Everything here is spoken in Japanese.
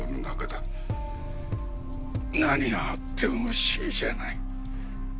何があっても不思議じゃない。